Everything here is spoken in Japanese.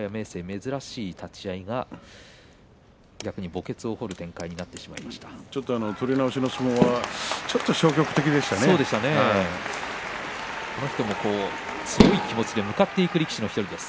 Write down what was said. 珍しい立ち合いが墓穴を掘る展開と取り直しの相撲はこの人も強い気持ちで向かっていく力士です。